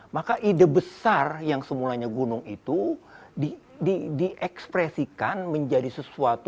maka ide besar yang semulanya gunung itu diekspresikan menjadi sesuatu